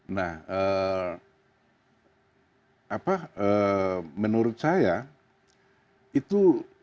nah menurut saya itu